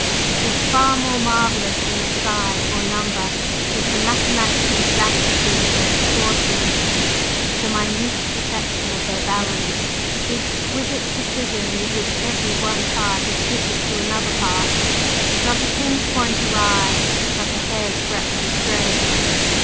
Yet far more marvellous than their size or number is the mathematical exactitude of their proportions, the minute perfection of their balance, the exquisite precision with which every one part is fitted to another part, not a pin's point awry, not a hair's breadth astray.